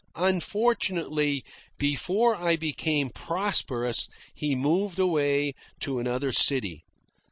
Unfortunately, before I became prosperous, he moved away to another city.